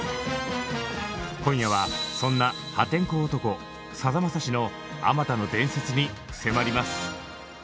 今夜はそんな破天荒男さだまさしのあまたの伝説に迫ります。